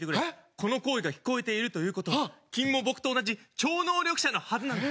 この声が聞こえているという事は君も僕と同じ超能力者のはずなんだ。